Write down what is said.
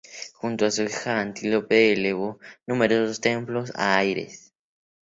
Junto a su hija Antíope elevó numerosos templos a Ares.